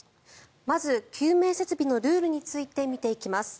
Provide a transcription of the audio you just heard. まず救命設備のルールについて見ていきます。